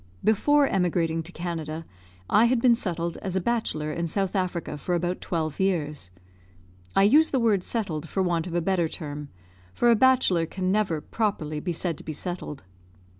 Before emigrating to Canada, I had been settled as a bachelor in South Africa for about twelve years. I use the word settled, for want of a better term for a bachelor can never, properly, be said to be settled.